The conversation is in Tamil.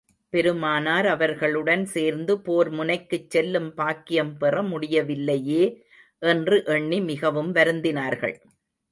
பெருமானார் அவர்களுடன் சேர்ந்து போர் முனைக்குச் செல்லும் பாக்கியம் பெற முடியவில்லையே என்று எண்ணி மிகவும் வருந்தினார்கள்.